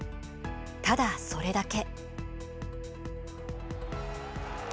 ただ、それだけ。